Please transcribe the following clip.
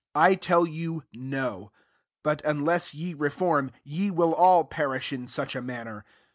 3 I tell you. No; but, unless ye reform, ye will all perish in such a man ner.